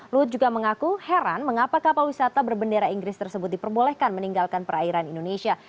luhut juga mengaku heran mengapa kapal wisata berbendera inggris tersebut diperbolehkan meninggalkan perairan indonesia